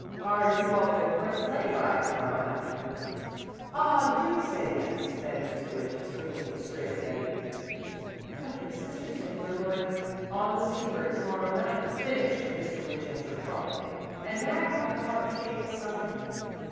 Are you all good for a sleigh ride to morrow afternoon?" "Ah, do say yes," begged Mr. Winchester, looking straight at Betty. "But your sister said you were going " "On the sleeper to morrow night," finished Mr. Winchester promptly. "And may I have the heart shaped sign?"